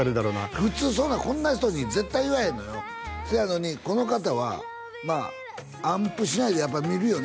普通そんなこんな人に絶対言わへんのよせやのにこの方は暗譜しないでやっぱり見るよね